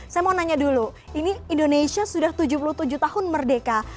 saya mau nanya dulu ini indonesia sudah tujuh puluh tujuh tahun merdeka